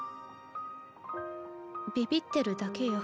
ビビってるだけよ。